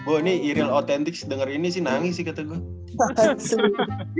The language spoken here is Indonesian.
oh ini iriel authentics denger ini sih nangis sih kata gua